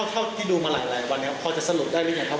เท่าที่ดูมาหลายวันนี้พอจะสรุปได้หรือยังครับ